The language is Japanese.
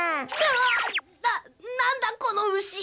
あっな何だこの牛。